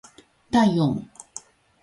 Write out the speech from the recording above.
体温